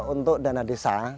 untuk dana desa